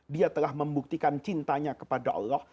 dia telah membuktikan cintanya kepada allah